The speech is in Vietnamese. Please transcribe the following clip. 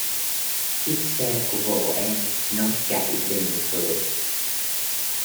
Chiếc xe của bộ em nó chạy bình thường